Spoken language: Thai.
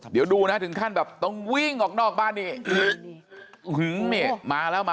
เดี๋ยวดูนะถึงขั้นแบบต้องวิ่งออกนอกบ้านนี่มาแล้วมา